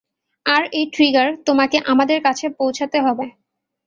আর এই ট্রিগার তোমাকে আমাদের কাছে পৌঁছাতে হবেই।